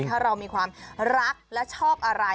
ถ้าเรามีความรักและชอบอะไร